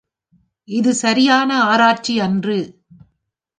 இது சரியான ஆராய்ச்சியன்று.